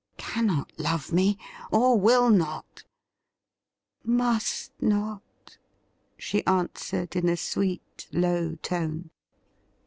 * Cannot love me — or will not ?'' Must not,' she answered in a sweet, low tone.